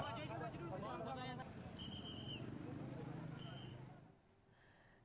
kepala pengundang pengundang yang diperlukan untuk mencari taksi